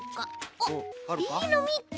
あっいいのみっけ！